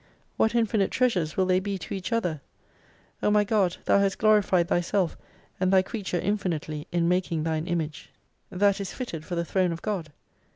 What infinite treasures will they be to each other ! O my God Thou hast glorified Thyself, and Thy creature infinitely, in making Thine Image ! D 49 That is titled for the Throne of God